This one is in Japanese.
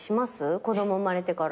子供生まれてから。